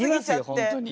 本当に。